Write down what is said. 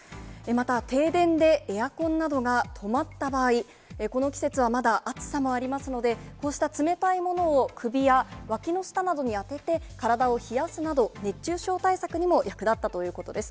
また、停電でエアコンなどが止まった場合、この季節はまだ暑さもありますので、こうした冷たいものを、首やわきの下などに当てて、体を冷やすなど、熱中症対策にも役立ったということです。